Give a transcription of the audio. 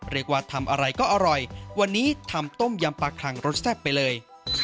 เรียกว่าทำอะไรก็อร่อยวันนี้ทำต้มยำปลาคลังรสแซ่บไปเลย